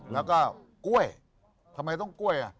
แล้วก็กล้วยทำไมต้องกล้วย